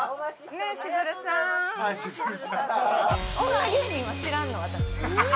女芸人は知らんの私。